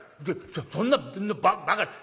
「そそんなバカな」。